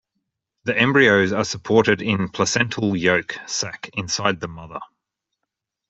The embryos are supported in placental yolk sac inside the mother.